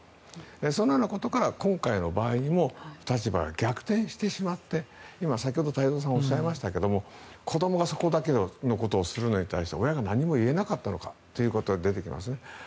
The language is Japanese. そのようなことから今回の場合にも立場が逆転してしまって今、先ほど太蔵さんがおっしゃいましたが子どもがそれだけのことをするのに対して親が何も言えなかったのかということが出てきますね。